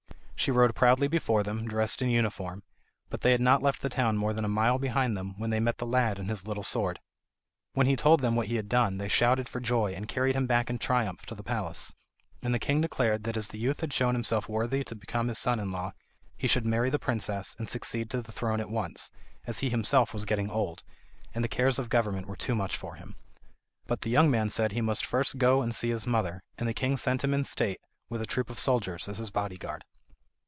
She rode proudly before them, dressed in uniform; but they had not left the town more than a mile behind them, when they met the lad and his little sword. When he told them what he had done they shouted for joy, and carried him back in triumph to the palace; and the king declared that as the youth had shown himself worthy to become his son in law, he should marry the princess and succeed to the throne at once, as he himself was getting old, and the cares of government were too much for him. But the young man said he must first go and see his mother, and the king sent him in state, with a troop of soldiers as his bodyguard.